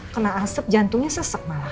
kena asap jantungnya sesek malah